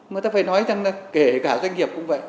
mà ta phải nói rằng là kể cả doanh nghiệp cũng vậy